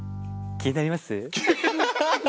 気になります。